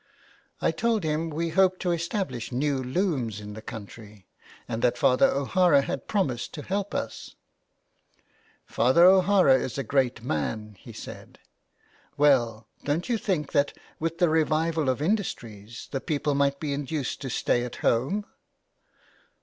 I told him we hoped to establish new looms in the country, and that Father O'Hara had promised to help us. " Father O'Hara is a great man," he said. '' Well, don't you think that with the revival of industries the people might be induced to stay at home?"